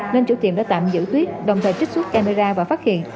nên chủ tiệm đã tạm giữ tuyết đồng thời trích xuất camera và phát hiện